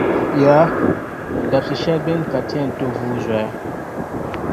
Yaha! Dabsi’ shεli beni ka Ti yɛn ti vuui zoya.